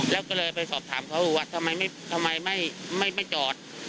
แล้วก็เลยไปสอบถามเขาว่าทำไมไม่จอด